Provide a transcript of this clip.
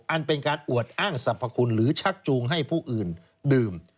อันเป็นการอวดอ้างสรรพคุณหรือชักจูงให้ผู้อื่นดื่ม